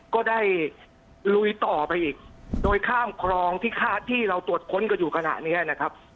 ก็ได้ลุยต่อไปอีกโดยข้ามครองที่คาดที่เราตรวจค้นกันอยู่ขณะนี้นะครับ